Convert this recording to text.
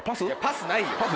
パスないよ。